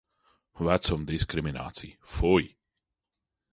Vecuma diskriminācija. Fuj!